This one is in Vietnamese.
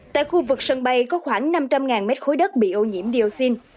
tại khu vực sân bay có khoảng năm trăm linh m ba đất bị ô nhiễm dioxin